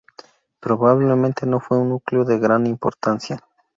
Probablemente no fue un núcleo de gran importancia.